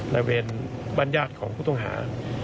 บริเวณบ้านญาติของผู้ต้องหา